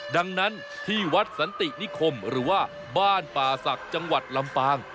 ดังนั้นที่วัดสันตินิคมหรือว่าบ้านป่าศักดิ์จังหวัดลำปาง